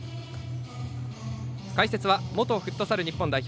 解説は元フットサル日本代表